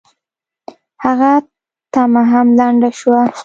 هغه تمه هم لنډه شوه.